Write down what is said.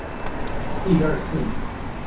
第二性